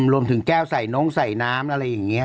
รวมถึงแก้วใส่น้องใส่น้ำอะไรอย่างนี้